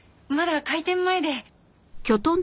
まだ開店前で。